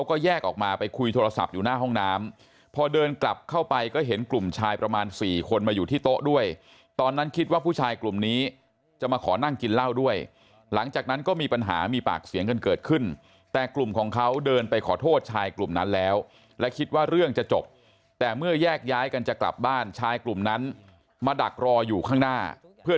ก็แยกออกมาไปคุยโทรศัพท์อยู่หน้าห้องน้ำพอเดินกลับเข้าไปก็เห็นกลุ่มชายประมาณสี่คนมาอยู่ที่โต๊ะด้วยตอนนั้นคิดว่าผู้ชายกลุ่มนี้จะมาขอนั่งกินเหล้าด้วยหลังจากนั้นก็มีปัญหามีปากเสียงกันเกิดขึ้นแต่กลุ่มของเขาเดินไปขอโทษชายกลุ่มนั้นแล้วและคิดว่าเรื่องจะจบแต่เมื่อแยกย้ายกันจะกลับบ้านชายกลุ่มนั้นมาดักรออยู่ข้างหน้าเพื่อ